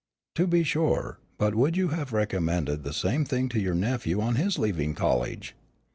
"To be sure, but would you have recommended the same thing to your nephew on his leaving college?"